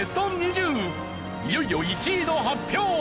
いよいよ１位の発表！